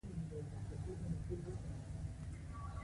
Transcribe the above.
علي په سوچه خبره کې هم خبره کوي. هسې په کوچو کې مچ لټوي.